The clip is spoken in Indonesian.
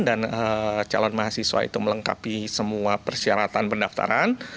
dan calon mahasiswa itu melengkapi semua persyaratan pendaftaran